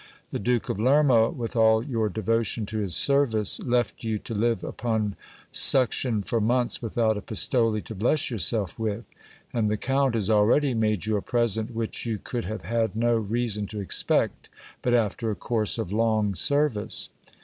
The Duke of Lerma, with all your devotion to his service, left you to live upon suction for months without a pistole to bless yourself with ; and the count has already made you a present which you could have had no reason to expect but after a course of long service.